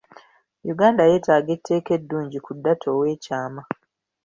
Uganda yeetaaga etteeka eddungi ku data ow'ekyama.